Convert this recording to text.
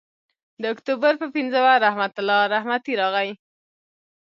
د اکتوبر پر پینځمه رحمت الله رحمتي راغی.